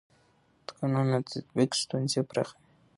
د قانون نه تطبیق ستونزې پراخوي